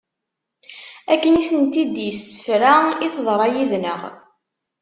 Akken i tent-id-issefra i teḍra yid-nneɣ.